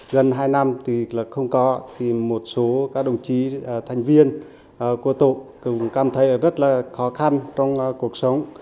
gần hai năm thì không có thì một số các đồng chí thành viên của tổ cũng cảm thấy rất là khó khăn trong cuộc sống